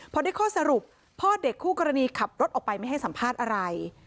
พอได้ข้อสรุปพ่อเด็กคู่กรณีขับรถออกไปไม่ให้สัมภาษณ์อะไร